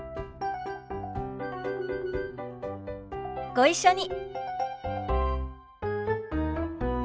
ご一緒に。